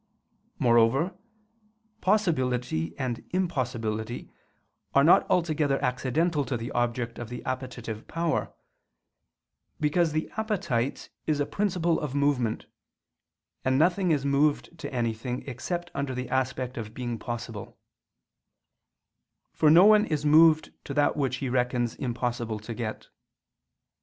Moreover, possibility and impossibility are not altogether accidental to the object of the appetitive power: because the appetite is a principle of movement; and nothing is moved to anything except under the aspect of being possible; for no one is moved to that which he reckons impossible to get.